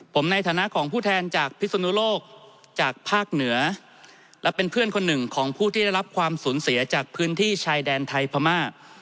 ผมในฐานะของผู้แทนจากพิศนุโลกจากภาคเหนือและเป็นเพื่อนคนหนึ่งของผู้ที่ได้รับความสูญเสียจากพื้นที่ชายแดนไทยพม่า